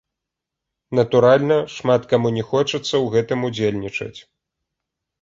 Натуральна шмат каму не хочацца ў гэтым удзельнічаць.